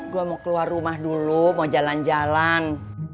gue mau keluar rumah dulu mau jalan jalan